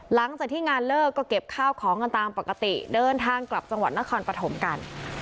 หลังจากที่งานเลิกก็เก็บข้าวของกันตามปกติเดินทางกลับจังหวัดนครปฐมกัน